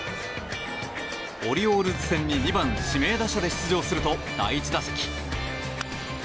オリオールズ戦に２番指名打者で出場すると第１打席。